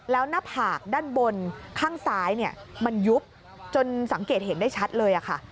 แล้วหน้าผากด้านบนข้างซ้ายมันยุบจนสังเกตเห็นได้ชัดเลยค่ะ